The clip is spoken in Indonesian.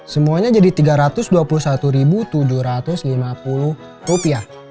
semuanya jadi rp tiga ratus dua puluh satu tujuh ratus lima puluh